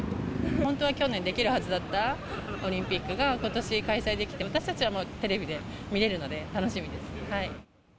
本当は去年できるはずだったオリンピックがことし開催できて、私たちはテレビで見れるので楽しみです。